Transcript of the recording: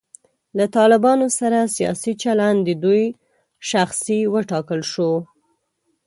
له طالبانو سره سیاسي چلند د دوی شاخصې وټاکل شي.